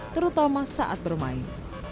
terutama saat bermain